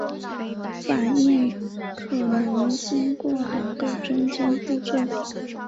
反应可能经过两个中间步骤。